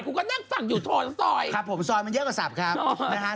คุก็นั่งฝั่งอยู่โทรสอยนะครับผมซอยมันเยอะกว่าสัปเคราะห์ครับ